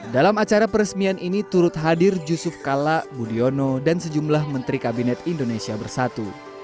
dalam acara peresmian ini turut hadir yusuf kala budiono dan sejumlah menteri kabinet indonesia bersatu